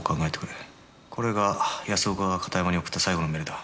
これが安岡が片山に送った最後のメールだ。